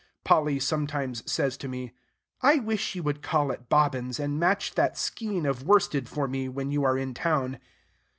Polly sometimes says to me, "I wish you would call at Bobbin's, and match that skein of worsted for me, when you are in town."